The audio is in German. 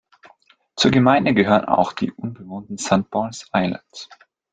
Zur Gemeinde gehören auch die unbewohnten Saint Paul’s Islands.